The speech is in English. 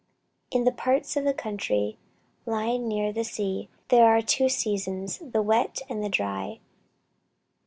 In the parts of the country lying near the sea there are two seasons, the wet and the dry.